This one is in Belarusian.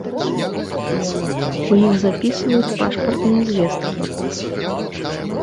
У іх запісваюць пашпартныя звесткі.